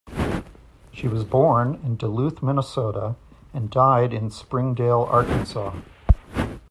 She was born in Duluth, Minnesota and died in Springdale, Arkansas.